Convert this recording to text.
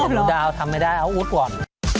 อ้อเหรอทำไม่ได้เอาอุดก่อน